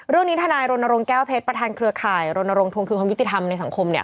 เรื่องนี้ธนายโรนโรงแก้วเพชรประธานเครือข่ายโรนโรงทวงคือความวิติธรรมในสังคมเนี่ย